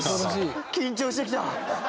緊張してきた。